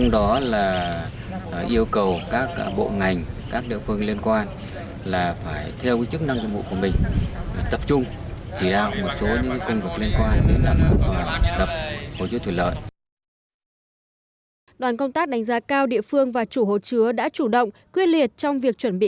đoàn công tác đánh giá cao địa phương và chủ hồ chứa đã chủ động quyết liệt trong việc chuẩn bị